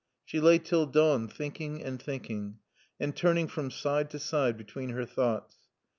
She lay till dawn thinking and thinking, and turning from side to side between her thoughts.